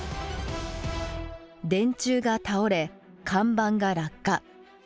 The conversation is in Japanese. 電柱が倒れ看板が落下。